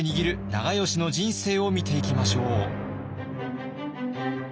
長慶の人生を見ていきましょう。